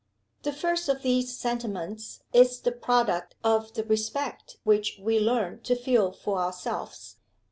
The first of these sentiments is the product of the respect which we learn to feel for ourselves.